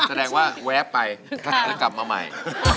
แสดงว่าแวบไปแล้วกลับมาใหม่